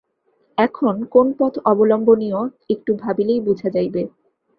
এখন কোন পথ অবলম্বনীয়, একটু ভাবিলেই বুঝা যাইবে।